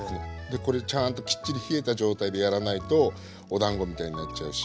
でこれちゃんときっちり冷えた状態でやらないとおだんごみたいになっちゃうし。